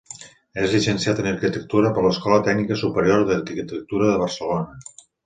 És llicenciat en arquitectura per l'Escola Tècnica Superior d'Arquitectura de Barcelona.